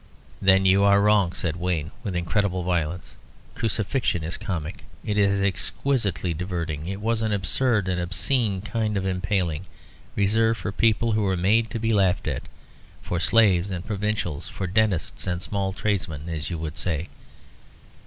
"Then you are wrong," said Wayne, with incredible violence. "Crucifixion is comic. It is exquisitely diverting. It was an absurd and obscene kind of impaling reserved for people who were made to be laughed at for slaves and provincials, for dentists and small tradesmen, as you would say.